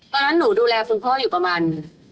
เพราะฉะนั้นหนูดูแลคุณพ่ออยู่ประมาณ